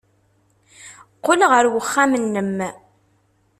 Qqel ɣer uxxam-nnem.